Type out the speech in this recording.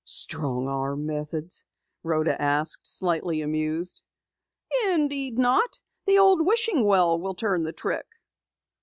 "Strong arm methods?" Rhoda asked, slightly amused. "Indeed not! The old wishing well will turn the trick."